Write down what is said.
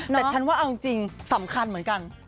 แต่ฉันว่าเอาจริงสำคัญเหมือนกัน